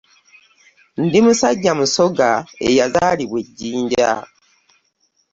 Ndi musajja musoga eyazaalibwa e Jinja.